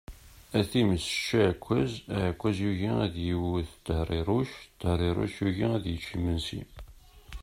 A times ečč aɛekkaz! Aɛekkaz yugi ad iwwet Tehriruc, Tehriruc yugi ad yečč imensi.